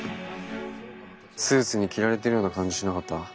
スーツに着られてるような感じしなかった？